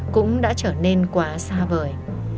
cũng đã trở nên quá xa vời